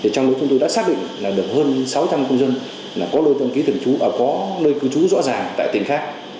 trong đó chúng tôi đã xác định là được hơn sáu trăm linh công dân là có nơi cư trú rõ ràng tại tỉnh khác